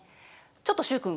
ちょっと習君